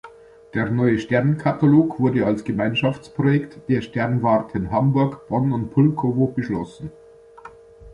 Der neue Sternkatalog wurde als Gemeinschaftsprojekt der Sternwarten Hamburg, Bonn und Pulkowo beschlossen.